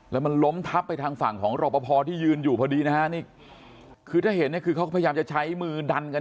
แล้วมันล้มทับไปทางฝั่งของรอปภที่ยืนอยู่พอดีนะฮะนี่คือถ้าเห็นเนี่ยคือเขาก็พยายามจะใช้มือดันกัน